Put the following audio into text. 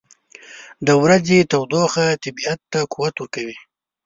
• د ورځې تودوخه طبیعت ته قوت ورکوي.